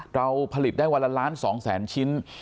เราผลิตได้วันละล้าน๒แสนชิ้น